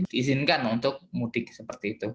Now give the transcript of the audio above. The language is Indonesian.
diizinkan untuk mudik seperti itu